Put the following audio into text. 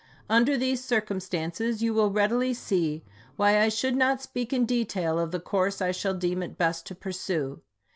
Under these circumstances, you will readily see why I should not speak in detail of the course I shall deem it best to pursue.